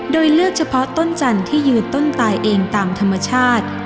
โดยเลือกเฉพาะต้นจันทร์ที่ยืนต้นตายเองตามธรรมชาติ